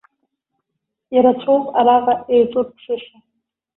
Ирацәоуп араҟа еиҿурԥшыша.